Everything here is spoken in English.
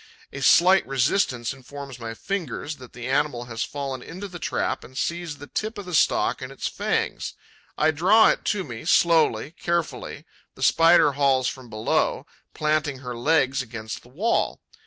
A slight resistance informs my fingers that the animal has fallen into the trap and seized the tip of the stalk in its fangs. I draw it to me, slowly, carefully; the Spider hauls from below, planting her legs against the wall.